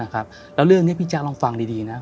แล้วเรื่องนี้พี่แจ๊คลองฟังดีนะ